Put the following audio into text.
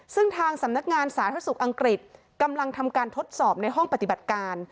ซึ่งทางสำนักงานสาธารณสุขอังกฤษกำลังทำการทดสอบในห้องปฏิบัติการ